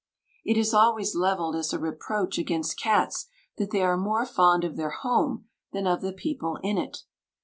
It is always levelled as a reproach against cats that they are more fond of their home than of the people in it.